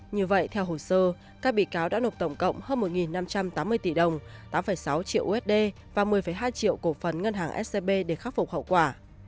như vậy theo hồ sơ các bị cáo đã nộp tổng cộng hơn một năm trăm tám mươi tỷ đồng tám sáu triệu usd và một mươi hai triệu cổ phần ngân hàng scb để khắc phục hậu quả